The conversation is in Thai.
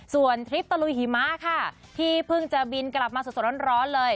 ส่วนทริปตะลุยหิมะค่ะที่เพิ่งจะบินกลับมาสดร้อนเลย